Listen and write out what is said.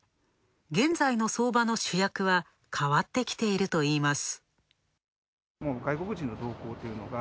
現在の相場の主役は変わってきているといいます。